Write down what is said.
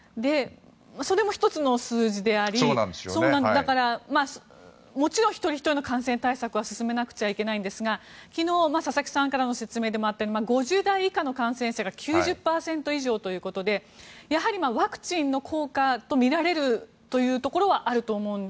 それも１つの数字でありだから、もちろん一人ひとりの感染対策は進めなくちゃいけないんですが昨日、佐々木さんからの説明でもあったとおり５０代以下の感染者が９０％以上ということでやはり、ワクチンの効果とみられるというところはあると思うので。